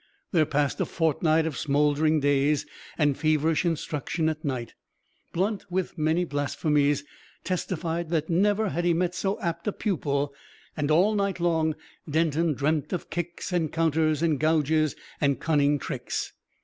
There passed a fortnight of smouldering days and feverish instruction at night; Blunt, with many blasphemies, testified that never had he met so apt a pupil; and all night long Denton dreamt of kicks and counters and gouges and cunning tricks.